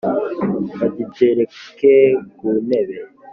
bagitereke ku ntebe